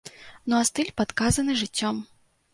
Ну, а стыль падказаны жыццём.